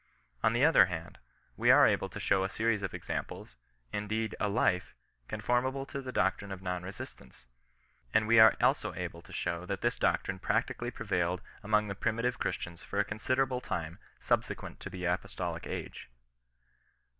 On the other hand, we are able to show a series of examples, indeed a life, con formable to the doctrine of non resistance. And we are also able to show that this doctrine practically prevailed among the primitive Christians for a considerable time subsequent to the apostolic age.